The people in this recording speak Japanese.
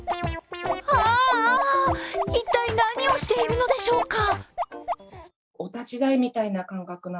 あ、一体何をしているのでしょうか。